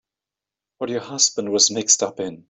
What your husband was mixed up in.